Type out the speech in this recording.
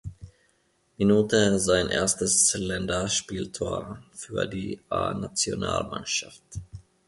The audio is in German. Minute sein erstes Länderspieltor für die A-Nationalmannschaft.